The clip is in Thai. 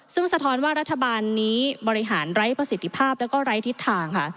ซึ่งสะท้อนว่ารัฐบาลนี้บริหารไร้ประสิทธิภาพแล้วก็ไร้ทิศทางค่ะ